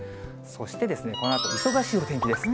そしてですね、このあと忙しいお天気です。